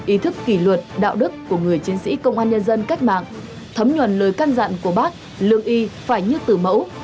ý thức kỷ luật đạo đức của người chiến sĩ công an nhân dân cách mạng thấm nhuần lời căn dặn của bác lượng y phải như tử mẫu